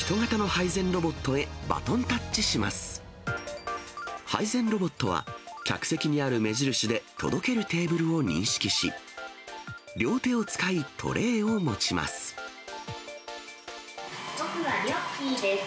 配膳ロボットは客席にある目印で届けるテーブルを認識し、両手を使い、トレーを持ちます。